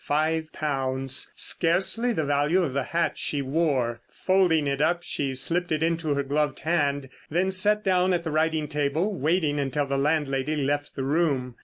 Five pounds! Scarcely the value of the hat she wore. Folding it up she slipped it into her gloved hand, then sat down at the writing table waiting until the landlady left the room.